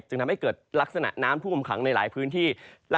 จึงทำให้เกิดลักษณะน้ำท่วมขังในหลายพื้นที่